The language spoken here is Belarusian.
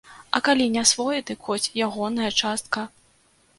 А калі не свой, дык хоць ягоная частка.